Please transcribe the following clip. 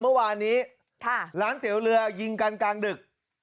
เมื่อวานนี้ร้านเตี๋ยวเรือยิงกันกลางดึก